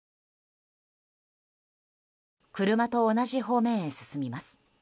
車と同じ方面へ進みます。